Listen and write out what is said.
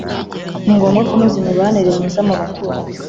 Ni ngombwa kunoza imibanire myiza mu baturanyi